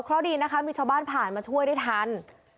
เพราะดีนะคะมีชาวบ้านผ่านมาช่วยได้ทัน